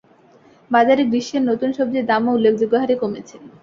বাজারে গ্রীষ্মের নতুন সবজির দামও উল্লেখযোগ্য হারে কমেছে।